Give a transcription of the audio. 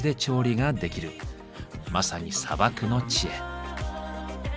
まさに砂漠の知恵。